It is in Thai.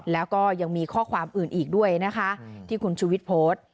แล้วก็ยังมีข้อความอื่นอีกด้วยนะคะที่คุณชุวิตโพสต์